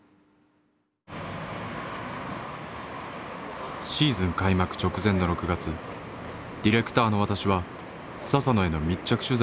だからシーズン開幕直前の６月ディレクターの私は佐々野への密着取材を始めた。